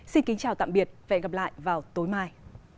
xin kính chào tạm biệt và hẹn gặp lại vào tối mai